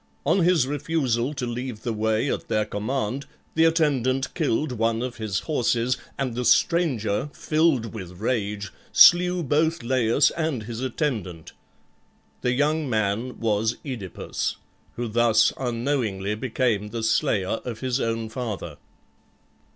On his refusal to leave the way at their command the attendant killed one of his horses, and the stranger, filled with rage, slew both Laius and his attendant. The young man was OEdipus, who thus unknowingly became the slayer of his own father.